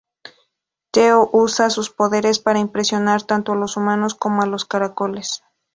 Theo usa sus poderes para impresionar tanto a los humanos como a los caracoles.